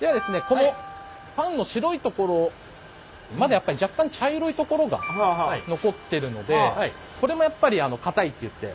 このパンの白いところまだやっぱり若干茶色いところが残ってるのでこれもやっぱり硬いっていって。